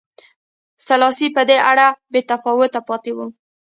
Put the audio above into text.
سلاسي په دې اړه بې تفاوته پاتې و.